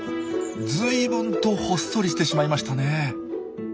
ずいぶんとほっそりしてしまいましたね。